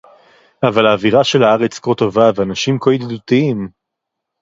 אבל האווירה של הארץ כה טובה והאנשים כה ידידותיים!